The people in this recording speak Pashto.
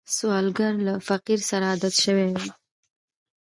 سوالګر له فقر سره عادت شوی وي